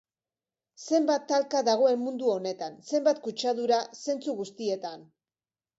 Zenbat talka dagoen mundu honetan, zenbat kutsadura, zentzu guztietan.